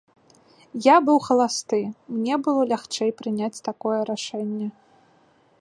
Я быў халасты, мне было лягчэй прыняць такое рашэнне.